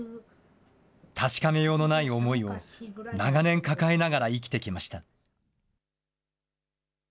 確かめようのない思いを長年抱えながら生きてきました。